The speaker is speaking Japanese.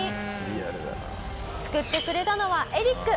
救ってくれたのはエリック！